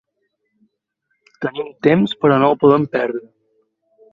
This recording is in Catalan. Tenim temps, però no el podem perdre.